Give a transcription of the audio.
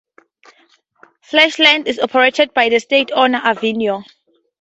Flesland is operated by the state-owned Avinor.